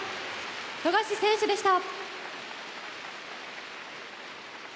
富樫選手でした。